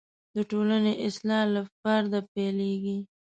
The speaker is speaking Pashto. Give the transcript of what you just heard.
د ټولنې اصلاح له فرده پیلېږي.